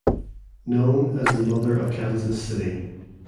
Known as the mother of Kansas City.